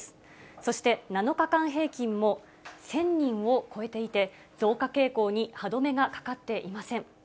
そして７日間平均も１０００人を超えていて、増加傾向に歯止めがかかっていません。